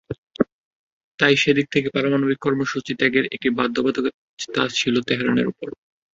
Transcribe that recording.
তাই সেদিক থেকে পারমাণবিক কর্মসূচি ত্যাগের একটি বাধ্যবাধকতা ছিল তেহরানের ওপর।